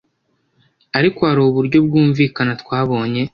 ariko hari uburyo bwumvikana twabonye